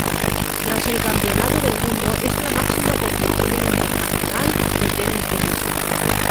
Tras el Campeonato del mundo, es la máxima competición internacional de tenis de mesa.